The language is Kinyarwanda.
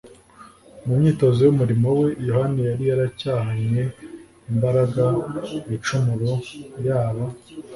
Mu myitozo y'umurimo we, Yohana yari yaracyahanye imbaraga ibicumuro yaba